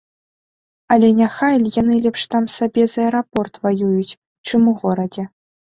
Але няхай яны лепш там сабе за аэрапорт ваююць, чым у горадзе.